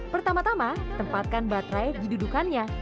pertama tama tempatkan baterai di dudukannya